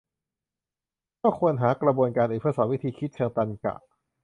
ก็ควรหากระบวนการอื่นเพื่อสอนวิธีคิดเชิงตรรกะ